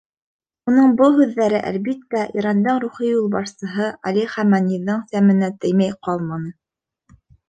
Уның был һүҙҙәре, әлбиттә, Ирандың рухи юлбашсыһы Али Хәманиҙың сәменә теймәй ҡалманы.